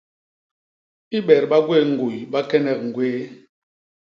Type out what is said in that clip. I bet ba gwéé ñguy, ba kenek ñgwéé.